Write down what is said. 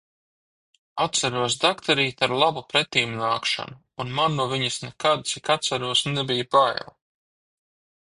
Atceros dakterīti ar labu pretimnākšanu un man no viņas nekad, cik atceros, nebija bail.